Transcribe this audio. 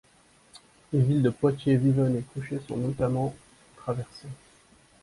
Les villes de Poitiers, Vivonne et Couhé sont notamment traversées.